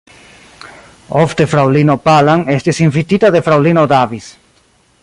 Ofte fraŭlino Palam estis invitita de fraŭlino Davis.